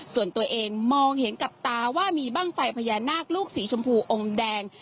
ส่วนตัวเองมองเห็นกับตาว่ามีบ้างไฟพญานาคลูกสีชมพูอมแดง